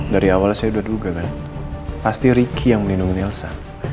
dari awal saya udah duga kan pasti ricky yang menindungi nielsa